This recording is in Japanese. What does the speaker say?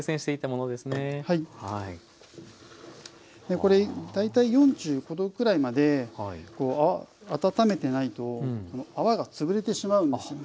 これ大体４５℃くらいまで温めてないと泡が潰れてしまうんですよね。